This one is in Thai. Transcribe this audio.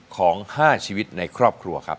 ของ๕ชีวิตในครอบครัวครับ